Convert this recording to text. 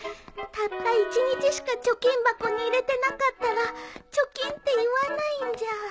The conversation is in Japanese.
たった１日しか貯金箱に入れてなかったら貯金って言わないんじゃ